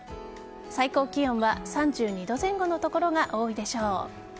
最高気温は３２度前後の所が多いでしょう。